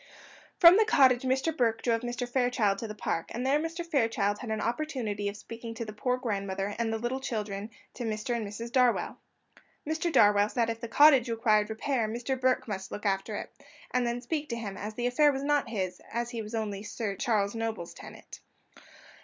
From the cottage Mr. Burke drove Mr. Fairchild to the park, and there Mr. Fairchild had an opportunity of speaking of the poor grandmother and the little children to Mr. and Mrs. Darwell. Mr. Darwell said that if the cottage required repair, Mr. Burke must look after it, and then speak to him, as the affair was not his, as he was only Sir Charles Noble's tenant.